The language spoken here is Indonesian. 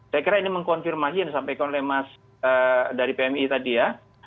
saya kira ini mengkonfirmasi yang disampaikan oleh mas dari pmi tadi ya